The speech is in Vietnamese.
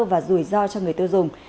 và rủi ro cho người tiêu dùng